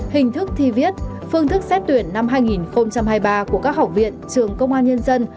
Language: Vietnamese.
hình thức thi viết phương thức xét tuyển năm hai nghìn hai mươi ba của các học viện trường công an nhân dân